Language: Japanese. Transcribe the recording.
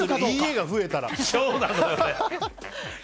いいえが増えたら。